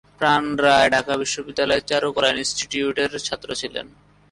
প্রাণ রায় ঢাকা বিশ্ববিদ্যালয়ের চারুকলা ইন্সটিটিউটের ছাত্র ছিলেন।